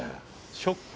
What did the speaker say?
ショック。